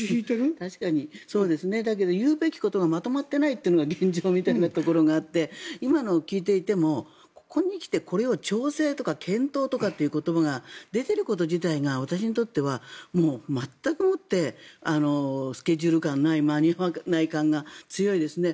確かに言うべきことがまとまってない現状みたいなところがあって今のを聞いていてもここに来てこれを調整とか検討とかっていう言葉が出ていること自体が私にとっては全くもってスケジュール感がない間に合わない感が強いですね。